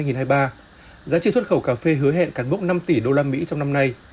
giá trị xuất khẩu cà phê hứa hẹn cản bốc năm tỷ usd trong năm nay